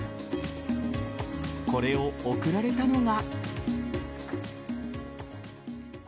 これを贈られたのは。